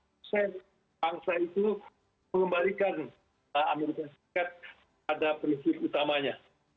proses bangsa itu mengembalikan amerika serikat pada prinsip utamanya